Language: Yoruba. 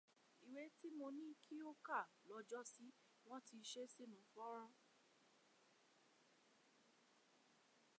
Ìwé tí mo ní kí o kà lọ́jọ́sí, wọ́n ti ṣe é sínu fọ́nrán.